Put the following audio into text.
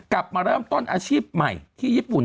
กลับมาเริ่มต้นอาชีพใหม่ที่ญี่ปุ่น